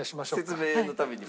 説明のためにも。